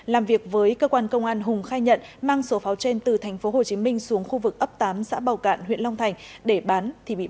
làm việc với cơ quan công an hùng khai nhận mang số pháo trên từ tp hcm xuống khu vực ấp tám xã bào cạn huyện long thành để bán thì bị bắt giữ